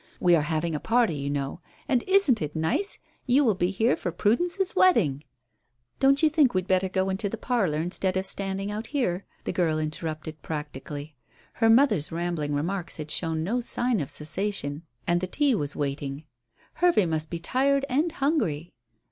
We are having a party, you know. And isn't it nice? you will be here for Prudence's wedding " "Don't you think we'd better go into the parlour instead of standing out here?" the girl interrupted practically. Her mother's rambling remarks had shown no sign of cessation, and the tea was waiting. "Hervey must be tired and hungry."